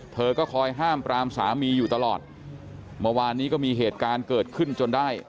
เธอก็คอยห้ามปรามสามีอยู่ตลอดเมื่อวานนี้ก็มีเหตุการณ์เกิดขึ้นจนได้